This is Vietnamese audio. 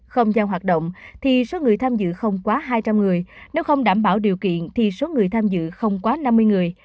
không gian hoạt động thì số người tham dự không quá hai trăm linh người nếu không đảm bảo điều kiện thì số người tham dự không quá năm mươi người